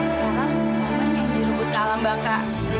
sekarang mamanya yang direbut kalam mbak ka